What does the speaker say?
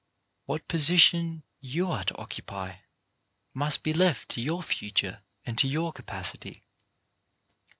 What position you are to occupy must be left to your future and to your capacity.